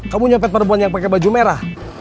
kamu nyopet perempuan yang pakai baju merah